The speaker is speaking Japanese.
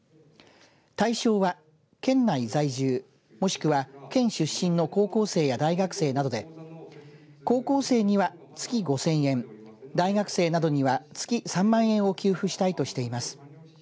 対象は県内在住、もしくは県出身の高校生や大学生などで高校生には月５０００円、大学生などには月３万円を給付したいとしています。